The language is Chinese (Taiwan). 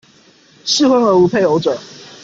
適婚而無配偶者